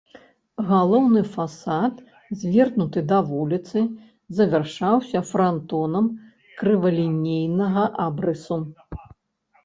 Галоўны фасад, звернуты да вуліцы, завяршаўся франтонам крывалінейнага абрысу.